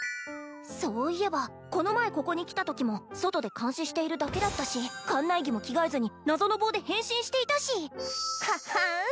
そういえばこの前ここに来たときも外で監視しているだけだったし館内着も着替えずに謎の棒で変身していたしははん